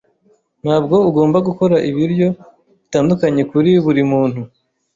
Ntabwo ugomba gukora ibiryo bitandukanye kuri buri muntu.